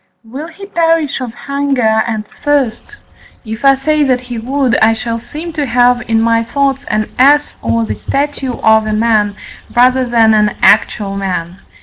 Will he perish of hunger and thirst? If I say that he would, I shall seem to have in my thoughts an ass or the statue of a man rather than an actual man.